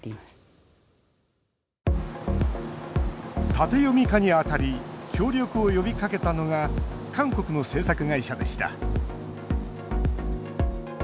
縦読み化にあたり協力を呼びかけたのが韓国の制作会社でした。